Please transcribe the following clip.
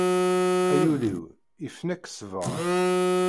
A yul-iw ifna-k ssbeṛ!